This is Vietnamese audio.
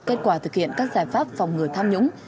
kết quả thực hiện các giải pháp phòng ngừa tham nhũng